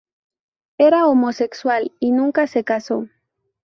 Era homosexual y nunca se casó.